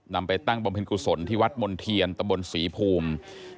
ไปตั้งบำเพ็ญกุศลที่วัดมณ์เทียนตะบนศรีภูมิ